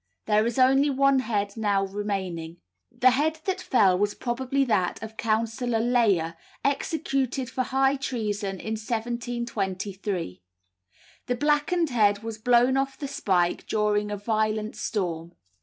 There is only one head now remaining." The head that fell was probably that of Councillor Layer, executed for high treason in 1723. The blackened head was blown off the spike during a violent storm.